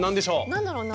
何だろうな。